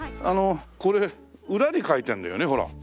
あのこれ裏に描いてるんだよねほら。